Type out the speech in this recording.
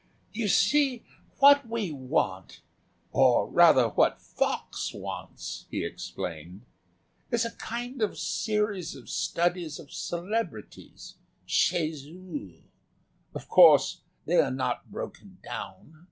"You see, what we want, or rather what Fox wants," he explained, "is a kind of series of studies of celebrities chez eux. Of course, they are not broken down.